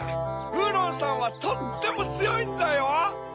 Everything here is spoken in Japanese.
ウーロンさんはとってもつよいんだよ！